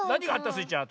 スイちゃん